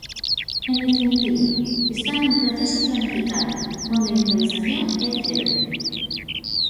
En definitiva, está nun proceso planificado, onde a improvisación é cero.